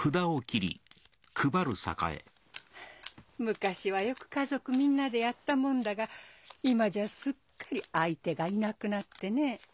昔はよく家族みんなでやったもんだが今じゃすっかり相手がいなくなってね。